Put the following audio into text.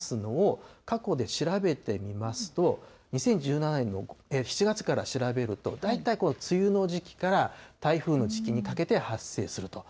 それをこの条件を満たすのを、過去で調べてみますと、２０１７年の７月から調べると、大体梅雨の時期から台風の時期にかけて発生すると。